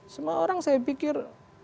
semua orang saya pikir